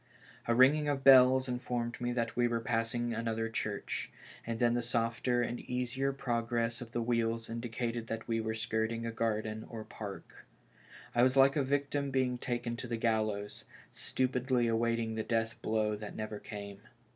A ringing of bells informed me that we were passing another church, and then the softer and easier progress of the wheels indi cated that we were skirting a garden or park. I was like a victim being taken to the gallows, stupidly await ing the death blow that never came.